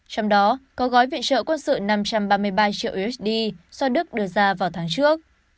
trong đó có gói viện trợ quân sự năm trăm ba mươi ba triệu usd do đức đưa ra vào tháng trước